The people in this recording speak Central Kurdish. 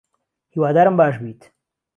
هیوادارم باش بیت